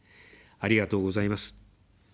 ありがとうございます。